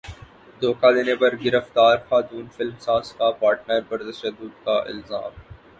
دھوکا دینے پر گرفتار خاتون فلم ساز کا پارٹنر پر تشدد کا الزام